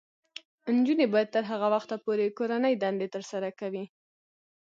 نجونې به تر هغه وخته پورې کورنۍ دندې ترسره کوي.